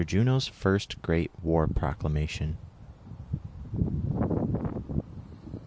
JUNO'S FIRST GREAT WAR PROCLAMATION.